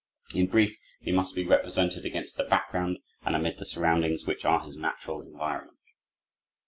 In brief, he must be represented against the background and amid the surroundings which are his natural environment.